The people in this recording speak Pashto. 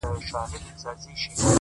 هره هڅه د راتلونکي بنسټ پیاوړی کوي.!